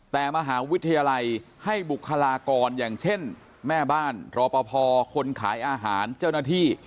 แต่มหาวิทยาลัยให้บุคลากรอย่างเช่นแม่บ้านรอปภคนขายอาหารเจ้าหน้าที่